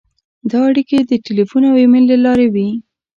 دا اړیکې د تیلفون او ایمېل له لارې وې.